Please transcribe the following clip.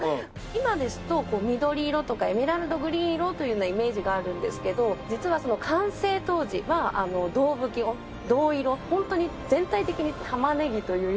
今ですと緑色とかエメラルドグリーン色というようなイメージがあるんですけど実は完成当時は銅葺きを銅色本当に全体的に玉ねぎという。